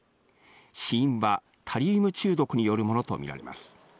死因はタリウム中毒によるものとみられます。